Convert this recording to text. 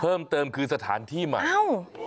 เพิ่มเติมคือสถานที่ใหม่เอ้า